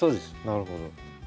なるほど。